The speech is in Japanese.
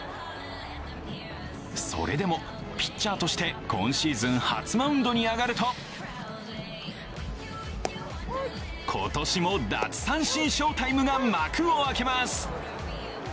それでもピッチャーとして今シーズン初マウンドに上がると今年も奪三振ショータイムが幕を開けます。